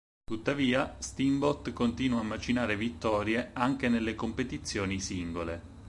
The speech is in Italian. Tuttavia, Steamboat continua a macinare vittorie anche nelle competizioni singole.